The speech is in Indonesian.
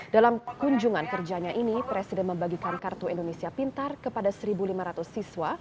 dalam kunjungan kerjanya ini presiden membagikan kartu indonesia pintar kepada satu lima ratus siswa